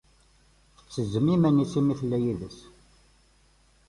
tettezzem iman-is imi tella yid-s.